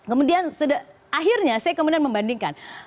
kemudian akhirnya saya kemudian membandingkan